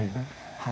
はい。